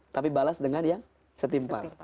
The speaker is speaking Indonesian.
tapi balas dengan yang setimpar